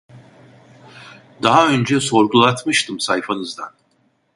Daha önce sorgutlatmıştım sayfanızdan